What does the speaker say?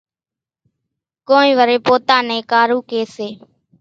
ڪونئين وريَ پوتا نين ڪارُو ڪيَ سي۔